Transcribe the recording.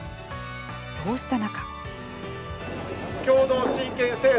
そうした中。